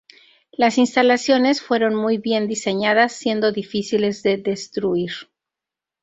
Las instalaciones fueron muy bien diseñadas, siendo difíciles de destruir.